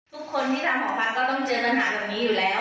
ทุกคนที่ทำออกมาก็ต้องเจอปัญหาแบบนี้อยู่แล้ว